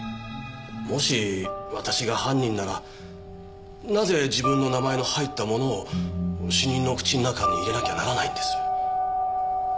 もし私が犯人ならなぜ自分の名前の入ったものを死人の口の中に入れなきゃならないんです？